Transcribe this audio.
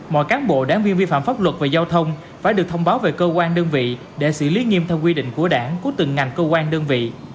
mọi cán bộ đảng viên vi phạm pháp luật về giao thông phải được thông báo về cơ quan đơn vị để xử lý nghiêm theo quy định của đảng của từng ngành cơ quan đơn vị